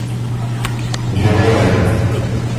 героя